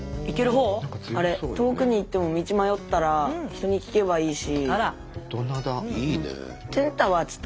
あれ遠くに行っても道迷ったら人に聞けばいいし。